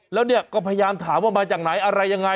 แล้วเนี่ยก็พยายามถามว่ามาจากไหนอะไรยังไง